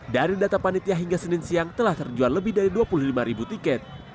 dari data panitia hingga senin siang telah terjual lebih dari dua puluh lima ribu tiket